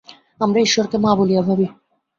আমরা ঈশ্বরকে মা বলিয়া ভাবি।